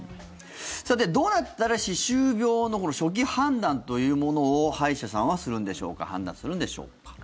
さて、どうなったら歯周病の初期判断というものを歯医者さんはするんでしょうか判断するんでしょうか。